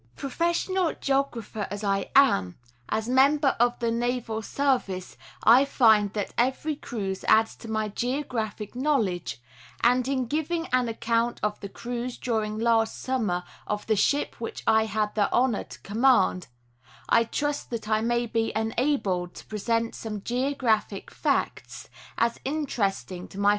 Professional geographer as I am, as member of the naval ser vice, I find that every cruise adds to my geographic knowledge, and in giving an account of the cruise during last summer of the ship which I had the honor to command, I trust that I may be enabled to present some geographic facts as interesting to my VOL.